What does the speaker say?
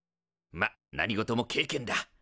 まっ何事も経験だ。